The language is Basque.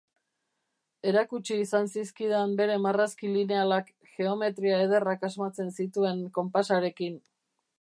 Erakutsi izan zizkidan bere marrazki linealak, geometria ederrak asmatzen zituen konpasarekin.